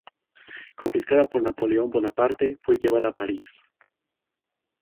Confiscada por Napoleón Bonaparte, fue llevada a París.